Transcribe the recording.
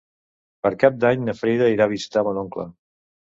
Per Cap d'Any na Frida irà a visitar mon oncle.